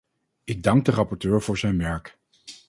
Ik dank de rapporteur voor zijn werk.